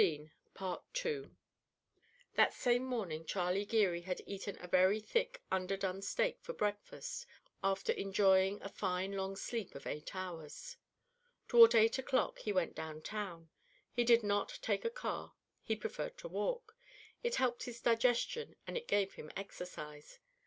That same morning Charlie Geary had eaten a very thick underdone steak for breakfast after enjoying a fine long sleep of eight hours. Toward eight o'clock he went downtown. He did not take a car; he preferred to walk; it helped his digestion and it gave him exercise.